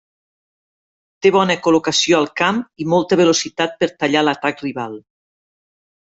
Té bona col·locació al camp i molta velocitat per tallar l'atac rival.